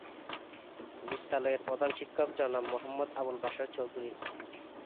বিদ্যালয়ের প্রধান শিক্ষক জনাব মোহাম্মদ আবুল বাশার চৌধুরী।